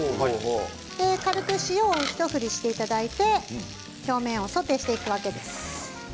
軽く塩をひと振りしていただいて表面をソテーしていくわけです。